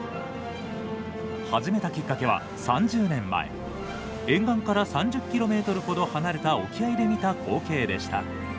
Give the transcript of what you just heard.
始めたきっかけは、３０年前沿岸から３０ｋｍほど離れた沖合で見た光景でした。